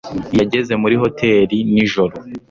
yageze muri hoteri nijoro